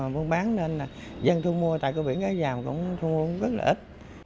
vô bán nên là dân thu mua tại cửa biển cá đa dàm cũng thu mua rất là ít